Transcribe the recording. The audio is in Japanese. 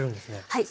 はい。